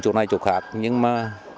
chỗ này chỗ khác nhưng mà